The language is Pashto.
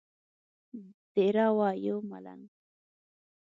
دیره وو یو ملنګ.